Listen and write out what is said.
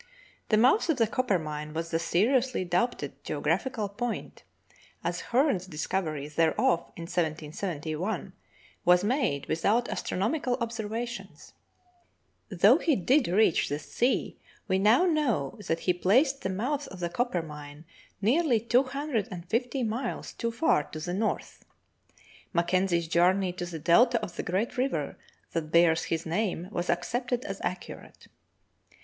The mouth of the Copper mine was a seriousl}' doubted geographical point, as Hearne's discovery thereof in 1771 was made without astronomical observations; though he did reach the sea we now know that he placed the mouth of the Coppermine nearly two hundred and fifty miles too far to the north. Mackenzie's journey to the delta of the great river that bears his name was accepted as accurate.